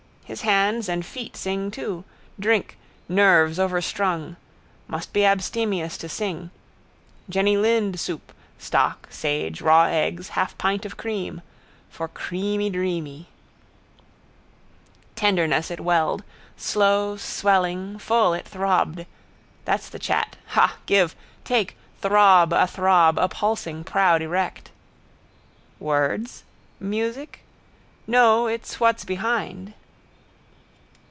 His hands and feet sing too. Drink. Nerves overstrung. Must be abstemious to sing. Jenny Lind soup: stock, sage, raw eggs, half pint of cream. For creamy dreamy. Tenderness it welled: slow, swelling, full it throbbed. That's the chat. Ha, give! Take! Throb, a throb, a pulsing proud erect. Words? Music? No: it's what's behind.